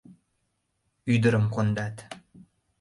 Ӱдырым кондат!